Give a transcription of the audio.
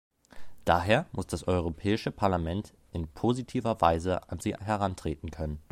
Daher muss das Europäische Parlament in positiver Weise an sie herantreten können.